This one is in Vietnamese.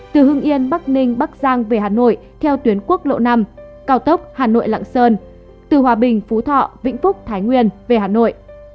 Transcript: từ hưng yên bắc ninh bắc giang về hà nội theo tuyến quốc lộ năm cao tốc hà nội lạng sơn từ hòa bình phú thọ vĩnh phúc thái nguyên về hà nội